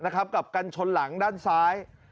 กับกันชนหลังด้านซ้าย